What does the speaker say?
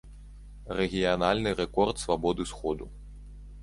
Рэгіянальны рэкорд свабоды сходу.